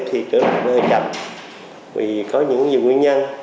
thì trở lại hơi chậm vì có những nguyên nhân